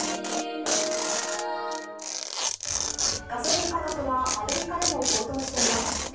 ガソリン価格はアメリカでも高騰しています。